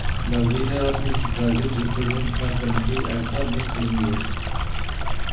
The winner of Miss Brazil represents her country at the Miss Universe.